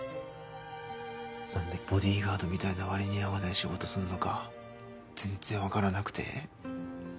なんでボディーガードみたいな割に合わない仕事するのか全然わからなくて。